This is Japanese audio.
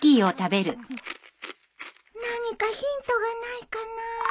何かヒントがないかな？